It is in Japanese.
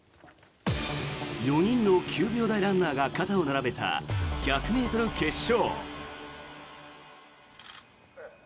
４人の９秒台ランナーが肩を並べた１００ｍ決勝。